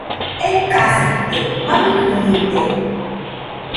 Ekasite, maɨjɨnide